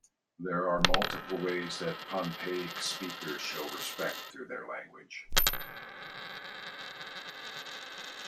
There are multiple ways that Pohnpeic speakers show respect through their language.